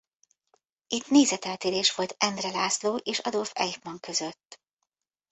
Itt nézeteltérés volt Endre László és Adolf Eichmann között.